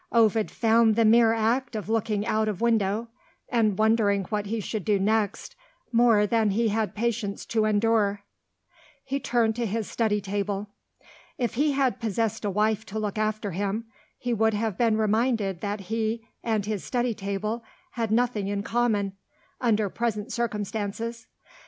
Ovid found the mere act of looking out of window, and wondering what he should do next, more than he had patience to endure. He turned to his study table. If he had possessed a wife to look after him, he would have been reminded that he and his study table had nothing in common, under present circumstances.